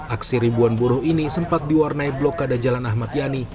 aksi ribuan buruh ini sempat diwarnai blokade jalan ahmad yani